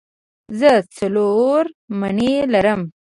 زه څلور مڼې لرم.